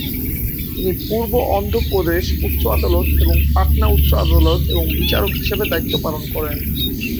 তিনি পূর্বে অন্ধ্রপ্রদেশ উচ্চ আদালত এবং পাটনা উচ্চ আদালত এর বিচারক হিসাবে দায়িত্ব পালন করেন।